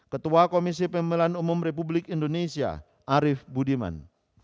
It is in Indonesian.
ketua komisi pemilihan umum republik indonesia arief budiman